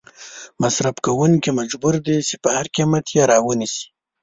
مصرف کوونکې مجبور دي چې په هر قیمت یې را ونیسي.